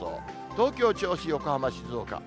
東京、銚子、横浜、静岡。